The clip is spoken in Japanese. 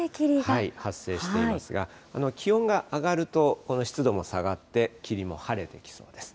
発生していますが、気温が上がると、この湿度も下がって、霧も晴れてきそうです。